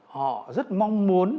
họ rất mong muốn